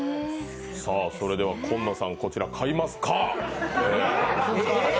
それでは紺野さん、こちら買いますか？